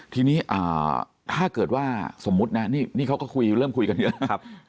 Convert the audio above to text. ทีนี้ถ้าเกิดว่าสมมุตินะนี่เขาก็คุยเริ่มคุยกันเยอะนะครับ